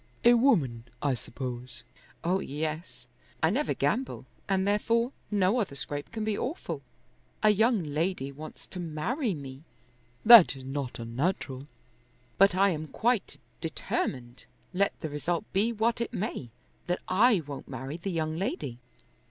A woman, I suppose." "Oh, yes. I never gamble, and therefore no other scrape can be awful. A young lady wants to marry me." "That is not unnatural." "But I am quite determined, let the result be what it may, that I won't marry the young lady."